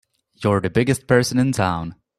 You're the biggest person in town!